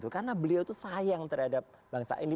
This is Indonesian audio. karena beliau itu sayang terhadap bangsa ini